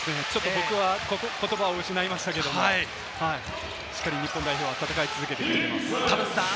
僕は言葉を失いましたけれども、しっかり日本代表は戦い続けています。